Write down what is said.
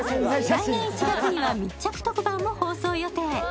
来年１月には密着特番も放送予定。